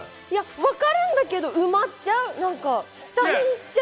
分かるんだけれども下いっちゃう。